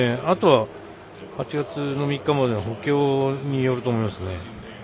あとは８月３日までの補強によると思いますね。